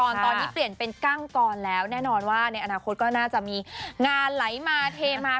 ตอนนี้เปลี่ยนเป็นกั้งกรแล้วแน่นอนว่าในอนาคตก็น่าจะมีงานไหลมาเทมา